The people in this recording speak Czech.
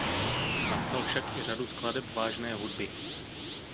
Napsal však i řadu skladeb vážné hudby.